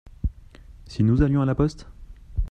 Si nous allions à la poste ?